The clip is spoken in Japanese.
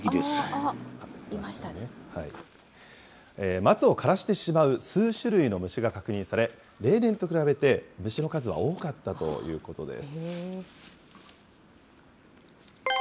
松を枯らしてしまう数種類の虫が確認され、例年と比べて、虫の数は多かったということです。